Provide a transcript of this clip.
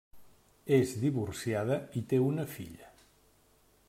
És divorciada i té una filla.